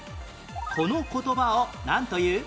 この言葉をなんという？